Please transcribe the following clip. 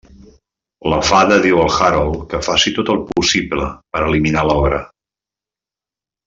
La Fada diu al Harold que faci tot el possible per eliminar l'ogre.